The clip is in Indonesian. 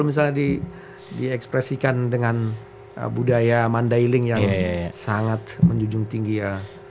itu menarik kalau misalnya diekspresikan dengan budaya mandailing yang sangat menjunjung tinggi ya